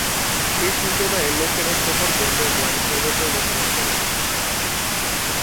এ সম্প্রদায়ের লোকেরা শহর, বন্দর, গ্রাম সর্বত্রই বসবাস করে।